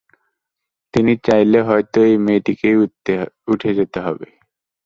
চিনি চাইলে হয়তো এ-মেয়েটিকেই উঠে যেতে হবে।